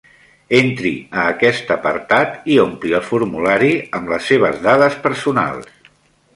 Entri a aquest apartat i ompli el formulari amb les seves dades personals.